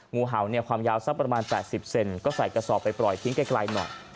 งูเห่าเนี่ยความยาวสักประมาณ๘๐เซนก็ใส่กระสอบไปปล่อยทิ้งไกลหน่อย